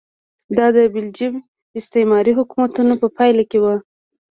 دا د بلجیم استعماري حکومتونو په پایله کې و.